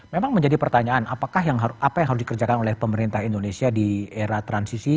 memang menjadi pertanyaan apa yang harus dikerjakan oleh pemerintah indonesia di era transisi